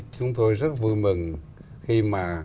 chúng tôi rất vui mừng khi mà